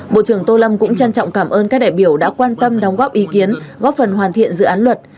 bộ trưởng tô lâm cũng trân trọng cảm ơn các đại biểu đã quan tâm đóng góp ý kiến góp phần hoàn thiện dự án luật